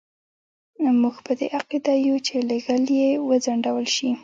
موږ په دې عقیده یو چې لېږل یې وځنډول شي.